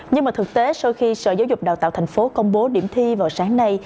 nhưng mà thực tế sau khi sở giáo dục đào tạo thành phố công bố điểm thi vào sáng nay